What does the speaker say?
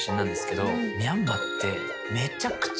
ミャンマーって。